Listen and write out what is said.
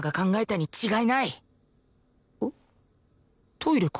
トイレか？